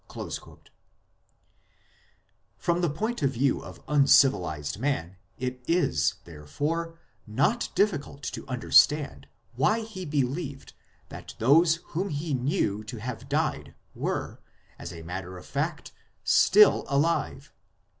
1 From the point of view of uncivilized man it is, therefore, not difficult to understand why he believed that those whom he knew to have died were, as a matter of fact, still alive.